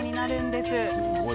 すごい。